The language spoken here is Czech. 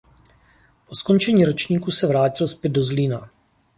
Po skončení ročníku se vrátil zpět do Zlína.